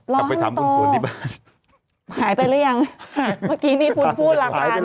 เรียงมันอีกก่อน